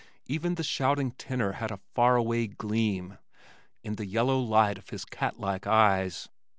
Even the shouting tenor had a far away gleam in the yellow light of his cat like eyes.